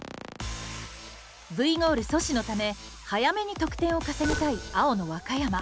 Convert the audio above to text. Ｖゴール阻止のため早めに得点を稼ぎたい青の和歌山。